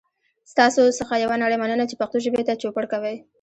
ستاسو څخه یوه نړۍ مننه چې پښتو ژبې ته چوپړ کوئ.